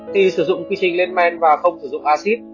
khi sử dụng quy trình len men và không sử dụng acid